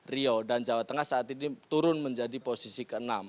rio dan jawa tengah saat ini turun menjadi posisi ke enam